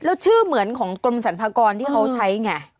แล้วชื่อเหมือนของกรมสรรพากรที่เขาใช้ไง